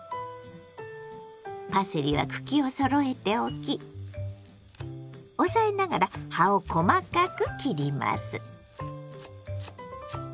パセリは茎をそろえて置き押さえながら葉を細かく切ります。